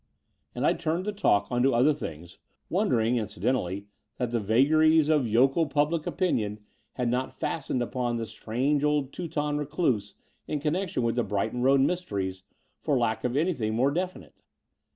And I turned the talk on to other things, wonder ing, incidentally, that the vagaries of yokel pubHc Between London and Clymping 147 opinion had not fastened upon the strange old Teuton recluse in connection with the Brighton Road mysteries for lack of anything more definite.